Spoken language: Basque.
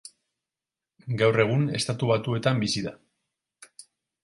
Gaur egun Estatu Batuetan bizi da.